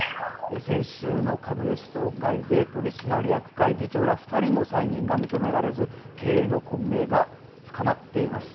先週の株主総会で取締役会議長ら２人の再任が認められず、経営の混迷が深まっています。